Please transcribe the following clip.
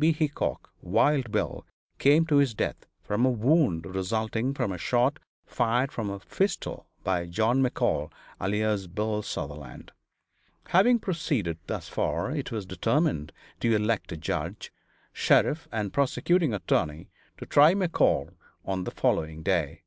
B. Hickok (Wild Bill) came to his death from a wound resulting from a shot fired from a pistol by John McCall, alias Bill Sutherland. Having proceeded thus far, it was determined to elect a judge, sheriff and prosecuting attorney to try McCall on the following day.